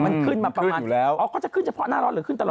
มันขึ้นมาประมาณมันขึ้นอยู่แล้วอ๋อก็จะขึ้นเฉพาะหน้าร้อนหรือขึ้นตลอดไฟ